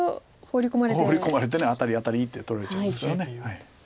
ホウリ込まれてアタリアタリって取られちゃいますから。